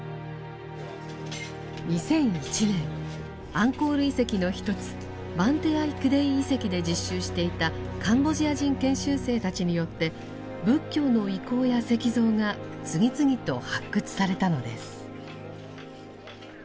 ２００１年アンコール遺跡の一つバンテアイ・クデイ遺跡で実習していたカンボジア人研修生たちによって仏教の遺構や石像が次々と発掘されたのです。